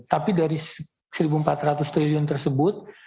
tapi dari rp satu empat ratus triliun tersebut